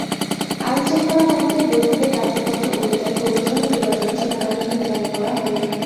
আইনশৃঙ্খলা কমিটির বৈঠকের কার্যপত্র অনুযায়ী পৌরসভা নির্বাচনে সেনাবাহিনী মোতায়েন করা হবে না।